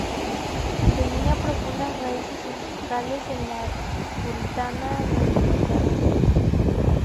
Tenía profundas raíces ancestrales en la puritana Nueva Inglaterra.